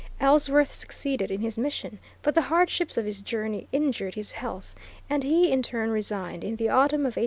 Ellsworth succeeded in his mission, but the hardships of his journey injured his health, and he, in turn, resigned in the autumn of 1800.